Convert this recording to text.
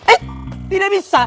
eh tidak bisa